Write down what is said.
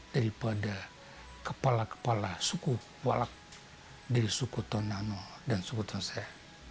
daripada kepala kepala suku walak dari suku tondano dan suku tonseh